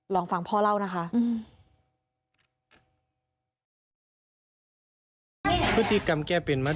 ลองฟังพ่อเล่านะคะ